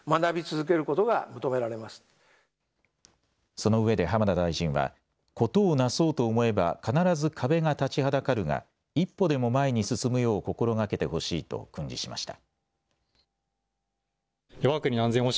そのうえで浜田大臣は事をなそうと思えば必ず壁が立ちはだかるが一歩でも前に進むよう心がけてほしいと訓示しました。